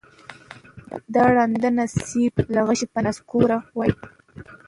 د ړانده نصیب له غشي به نسکور وای